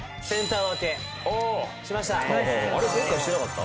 前回してなかった？